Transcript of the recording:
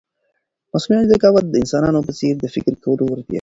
مصنوعي ذکاوت د انسانانو په څېر د فکر کولو وړتیا لري.